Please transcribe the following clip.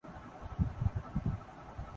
گرج چمک کے ساتھ بارش کا امکان ہے